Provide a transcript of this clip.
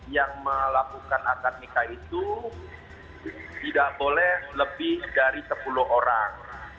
yang melakukan akad nikah itu tidak boleh lebih dari sepuluh orang